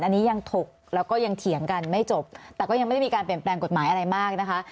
อันนี้ยังถกแล้วก็ยังเถียงกันไม่จบแต่ก็ยังไม่ได้มีการเปลี่ยนแปลงกฎหมายอะไรมากนะคะ